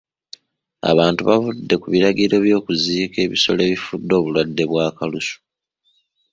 Abantu bavudde ku biragiro eby'okuziika ebisolo ebifudde obulwadde bwa kalusu.